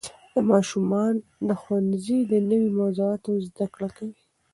ماشومان د ښوونځي د نوې موضوعاتو زده کړه کوي